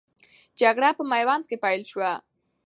جګړه په میوند کې پیل سوه.